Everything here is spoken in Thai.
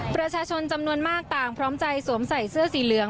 ประชาชนจำนวนมากต่างพร้อมใจสวมใส่เสื้อสีเหลือง